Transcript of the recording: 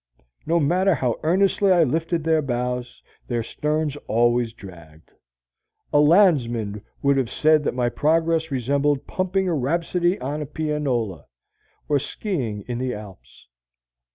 No matter how earnestly I lifted their bows, their sterns always dragged. A landsman would have said that my progress resembled pumping a rhapsody on a pianola, or skiing in the Alps.